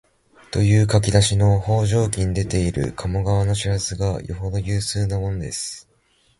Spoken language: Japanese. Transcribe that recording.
という書き出しの「方丈記」に出ている鴨川の叙述がよほど有数なものです